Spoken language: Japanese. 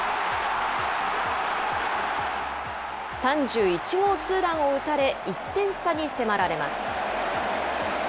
３１号ツーランを打たれ、１点差に迫られます。